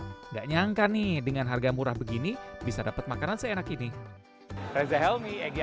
nggak nyangka nih dengan harga murah begini bisa dapat makanan yang lebih enak